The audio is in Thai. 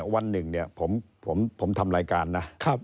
วันหนึ่งเนี่ยผมทำรายการนะ